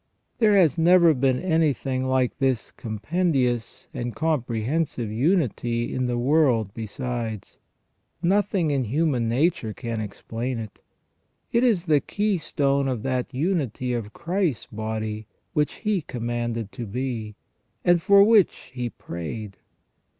There has never been anything like this compendious and comprehensive unity in the world besides. Nothing in human nature can explain it. It is the key stone of that unity of Christ's body which He commanded to be, and for which He prayed.